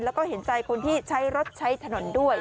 แล้วก็เห็นใจคนที่ใช้รถใช้ถนนด้วย